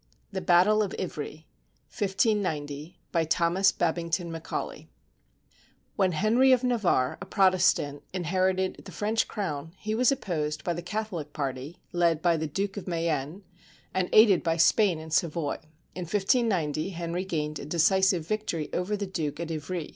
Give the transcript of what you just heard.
THE BATTLE OF IVRY BY THOMAS BABINGTON MACAULAY [When Henry of Navarre, a Protestant, inherited the French crown, he was opposed by the Catholic Party, led by the Duke of Mayenne and aided by Spain and Savoy, In 1590, Henry gained a decisive victory over the Duke at Ivry.